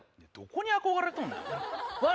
どこに憧れたんよ。